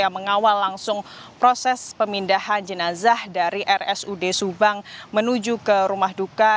yang mengawal langsung proses pemindahan jenazah dari rsud subang menuju ke rumah duka